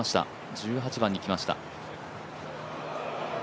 １８番に来ました。